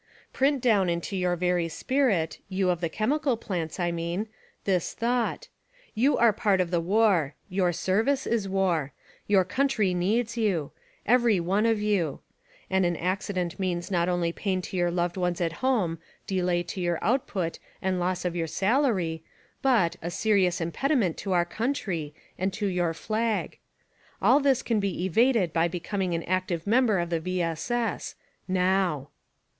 Print down into your very spirit — you of the chemical plants, I mean — this thought : You are part of the war ; your service is war ; your country needs you — every one of you ; and an accident means not only pain to your loved ones at home, delay to your output and loss of your salary, but, a. serious impediment to your country, and to your — flag. All this can be evaded by becoming an active member of the V. S. S. — NOW